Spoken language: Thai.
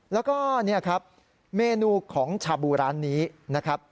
แล้วก็เมนูของชาบูร้านนี้นะครับ